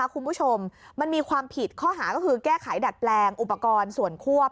แก้ไขดัดแรงอุปกรณ์ส่วนควบ